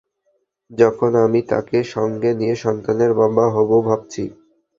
যখন আমি তাকে সঙ্গে নিয়ে সন্তানের বাবা হবো ভাবছি?